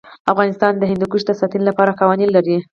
افغانستان د هندوکش د ساتنې لپاره قوانین لري.